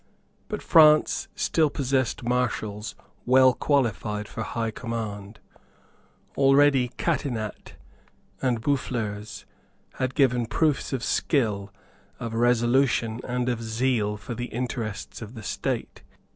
But France still possessed Marshals well qualified for high command. Already Catinat and Boufflers had given proofs of skill, of resolution, and of zeal for the interests of the state.